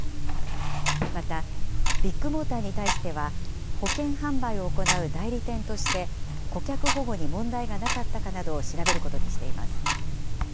またビッグモーターに対しては、保険販売を行う代理店として、顧客保護に問題がなかったかなどを調べることにしています。